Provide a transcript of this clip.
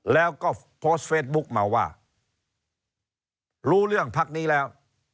แล้วก็โพสต์เฟซบุ๊กมาว่ารู้เรื่องพักนี้แล้ว